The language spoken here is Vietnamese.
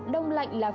đông lạnh là khó khăn